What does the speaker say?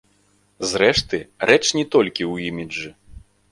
Зрэшты, рэч не толькі ў іміджы.